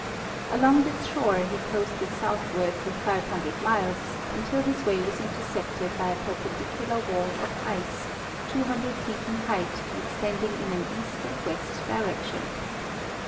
Along this shore he coasted south ward for 500 miles, until his way was intercepted by a perpen dicular wall of ice 200 feet in height extending in an east and west direction.